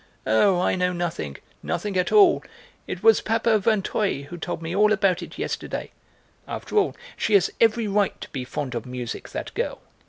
Oh, I know nothing, nothing at all. It was Papa Vinteuil who told me all about it yesterday. After all, she has every right to be fond of music, that girl.